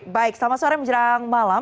baik selamat sore menjelang malam